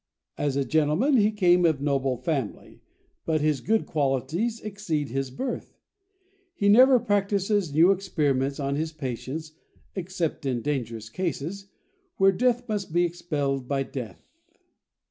As a gentleman, he came of noble family, but his good qualities exceed his birth. He never practises new experiments on his patients, except in dangerous cases, where death must be expelled by death.